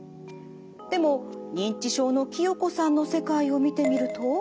でも認知症の清子さんの世界を見てみると。